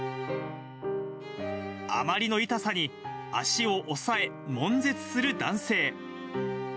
あまりの痛さに、足を押さえ、もん絶する男性。